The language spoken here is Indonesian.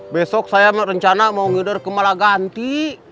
besok saya rencana mau ngider ke malaganti